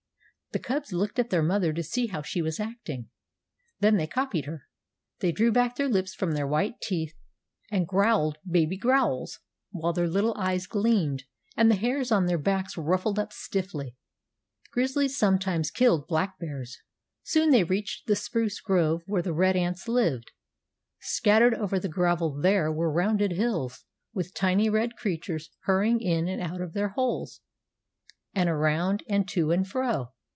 The cubs looked at their mother to see how she was acting. Then they copied her. They drew back their lips from their white teeth and growled baby growls, while their little eyes gleamed, and the hairs on their backs ruffled up stiffly. Grizzlies sometimes killed black bears. Soon they reached the spruce grove where the red ants lived. Scattered over the gravel there were rounded hills, with tiny red creatures hurrying in and out of their holes, and around and to and fro.